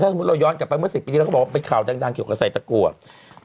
สมมุติเราย้อนกลับไปเมื่อ๑๐ปีที่เราก็บอกว่าเป็นข่าวดังเกี่ยวกับใส่ตะกรวด